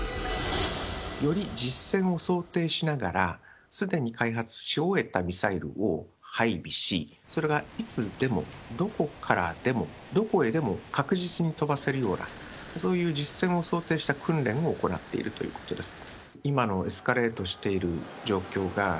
より実戦を想定しながら、すでに開発し終えたミサイルを配備し、それがいつでも、どこからでも、どこへでも、確実に飛ばせるような、そういう実戦を想定した訓練を行っているということです。